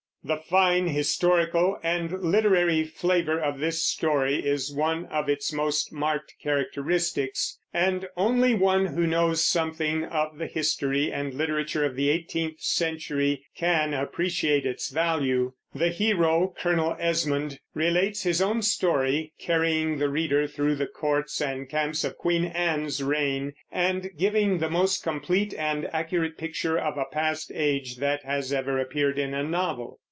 The fine historical and literary, flavor of this story is one of its most marked characteristics, and only one who knows something of the history and literature of the eighteenth century can appreciate its value. The hero, Colonel Esmond; relates his own story, carrying the reader through the courts and camps of Queen Anne's reign, and giving the most complete and accurate picture of a past age that has ever appeared in a novel.